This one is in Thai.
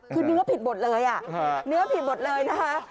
คือเนื้อผิดหมดเลยเนื้อผิดหมดเลยนะคะ